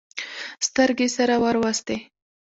سترګې يې سره ور وستې.